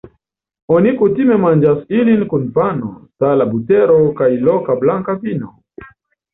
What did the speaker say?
Oni kutime manĝas ilin kun pano, sala butero kaj loka blanka vino.